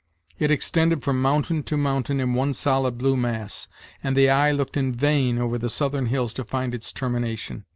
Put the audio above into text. It extended from mountain to mountain in one solid blue mass, and the eye looked in vain, over the southern hills, to find its termination.